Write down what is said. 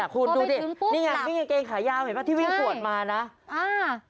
คุณดูสินี่ไงมีเกงขายาวเห็นไหมที่วิ่งขวดมานะอ้าวนี่